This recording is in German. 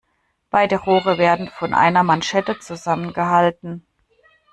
Beide Rohre werden von einer Manschette zusammengehalten.